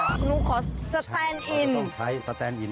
หนูขอสแตนอินต้องใช้สแตนอิน